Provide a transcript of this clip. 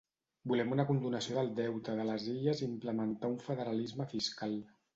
Volem una condonació del deute de les Illes i implementar un federalisme fiscal.